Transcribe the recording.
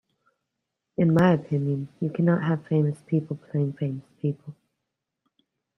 In my opinion, you cannot have famous people playing famous people.